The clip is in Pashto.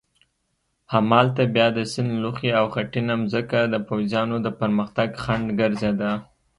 همالته بیا د سیند لوخې او خټینه مځکه د پوځیانو د پرمختګ خنډ ګرځېده.